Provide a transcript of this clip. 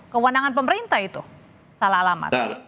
kewenangan pemerintah itu salah alamat